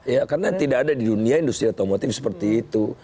ya karena tidak ada di dunia industri otomotif seperti itu